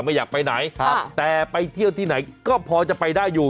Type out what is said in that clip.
ไม่อยากไปไหนครับแต่ไปเที่ยวที่ไหนก็พอจะไปได้อยู่